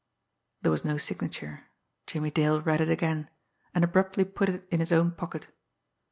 There was no signature. Jimmie Dale read it again and abruptly put it in his own pocket.